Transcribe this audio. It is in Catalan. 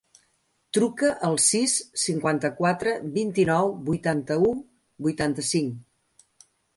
Truca al sis, cinquanta-quatre, vint-i-nou, vuitanta-u, vuitanta-cinc.